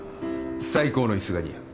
最高の椅子が似合う